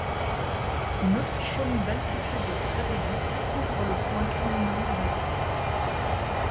Une autre chaume d'altitude très réduite couvre le point culminant du massif.